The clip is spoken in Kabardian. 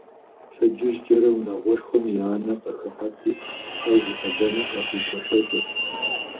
Пщэдджыжькӏэрэ унагъуэшхуэм я анэр къахыхьэрти, щхьэж и къалэныр къахуригуэшэкӏырт.